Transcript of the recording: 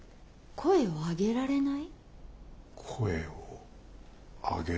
声を上げられない。